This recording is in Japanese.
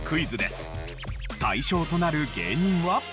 対象となる芸人は。